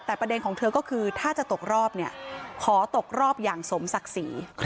แต่ประเด็นของเธอก็คือถ้าจะตกรอบเนี่ยขอตกรอบอย่างสมศักดิ์ศรี